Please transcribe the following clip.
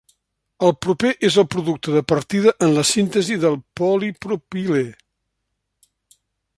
El propè és el producte de partida en la síntesi del polipropilè.